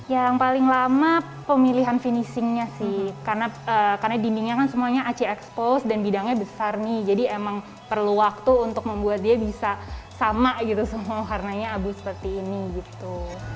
yang paling lama pemilihan finishingnya sih karena dindingnya kan semuanya ac expose dan bidangnya besar nih jadi emang perlu waktu untuk membuat dia bisa sama gitu semua warnanya abu seperti ini gitu